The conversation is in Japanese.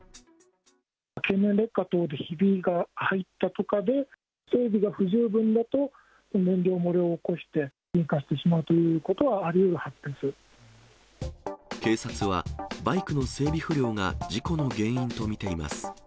経年劣化等で、ひびが入ったとかで、整備が不十分だと、燃料漏れを起こして、引火してしまうということはありうるはずで警察は、バイクの整備不良が事故の原因と見ています。